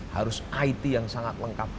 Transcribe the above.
harus it yang sangat lengkap